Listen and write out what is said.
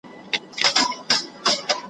ټول وجود یې په لړزه وي او ویریږي `